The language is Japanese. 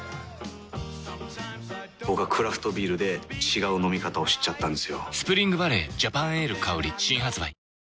僕はクラフトビールで違う飲み方を知っちゃったんですよ。